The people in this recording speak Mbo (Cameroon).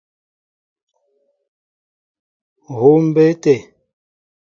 Huu mbé te.